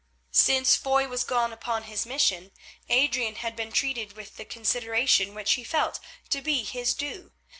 Since Foy was gone upon his mission, Adrian had been treated with the consideration which he felt to be his due.